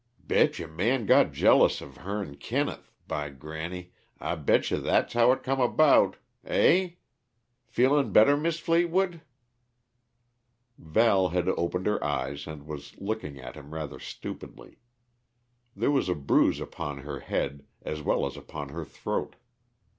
"Betche Man got jealous of her'n Kenneth by granny, I betche that's how it come about hey? Feelin' better, Mis' Fleetwood?" Val had opened her eyes and was looking at him rather stupidly. There was a bruise upon her head, as well as upon her throat.